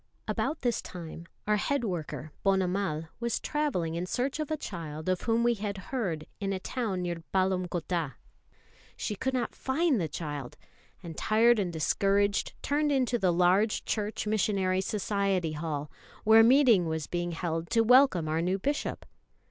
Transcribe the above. About this time our head worker, Ponnamal, was travelling in search of a child of whom we had heard in a town near Palamcottah. She could not find the child, and, tired and discouraged, turned into the large Church Missionary Society hall, where a meeting was being held to welcome our new Bishop.